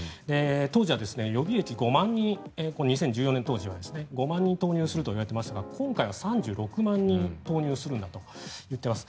当時は予備役５万人２０１４年当時は５万人投入するといわれていましたが今回は３６万人投入するんだと言っています。